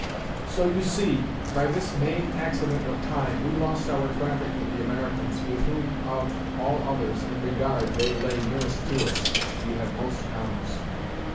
So you see, by this main accident of time, we lost our traffic with the Americans, with whom of, all others, in regard they lay nearest to us, we had most commerce.